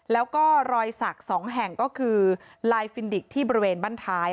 แล้วก็รอยสัก๒แห่งก็คือลายฟินดิกที่บริเวณบ้านท้าย